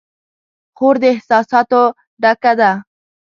خور د احساساتو ډکه ده.